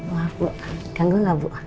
wah bu ganggu gak bu